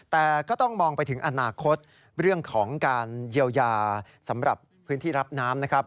แต่ก็ต้องมองไปถึงอนาคตเรื่องของการเยียวยาสำหรับพื้นที่รับน้ำนะครับ